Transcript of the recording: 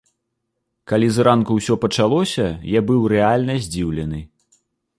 Калі зранку ўсё пачалося, я быў рэальна здзіўлены.